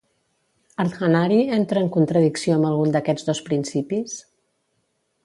Ardhanari entra en contradicció amb algun d'aquests dos principis?